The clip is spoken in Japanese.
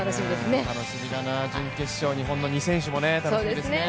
準決勝、日本の２選手も楽しみですね。